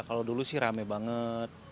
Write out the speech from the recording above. kalau dulu sih rame banget